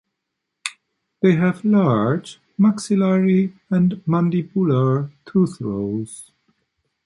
They have large maxillary and mandibular toothrows.